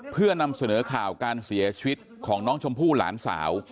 เพื่อนำเสนอข่าวการเสียชีวิตของน้องชมพู่หลานสาว